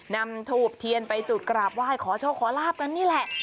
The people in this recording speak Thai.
นำทูบเทียนไปจุดกราบไหว้ขอโชคขอลาบกันนี่แหละ